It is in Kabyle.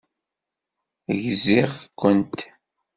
Gziɣ-kent.